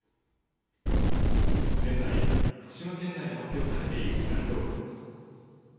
現在、福島県内で発表されている避難情報です。